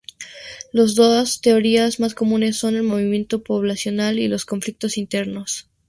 Las dos teorías más comunes son el movimiento poblacional y los conflictos internos.